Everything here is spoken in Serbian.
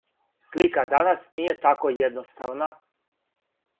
Слика данас није тако једноставна.